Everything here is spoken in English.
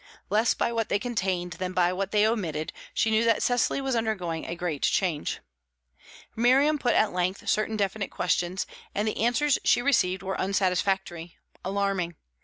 Less by what they contained than by what they omitted, she knew that Cecily was undergoing a great change. Miriam put at length certain definite questions, and the answers she received were unsatisfactory, alarming.